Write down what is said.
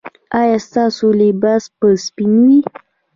ایا ستاسو لباس به سپین وي؟